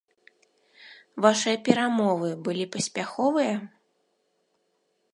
Вашыя перамовы былі паспяховыя?